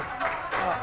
あら。